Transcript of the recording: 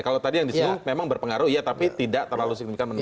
kalau tadi yang di sini memang berpengaruh ya tapi tidak terlalu signifikan menentukan